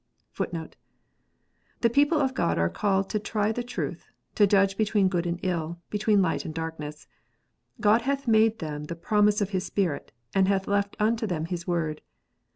The people of God are called to try the truth, to judge between good and ill, between light and darkness. God hath made them the promise of His Spirit, and hath left unto them His Word.